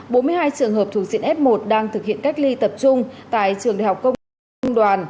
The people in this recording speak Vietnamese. bốn mươi hai trường hợp thuộc diện f một đang thực hiện cách ly tập trung tại trường đại học công nghệ trung đoàn